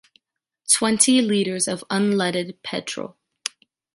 Twenty liters of unleaded petrol.